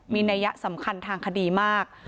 มีนัยสำคัญทางคดีมาก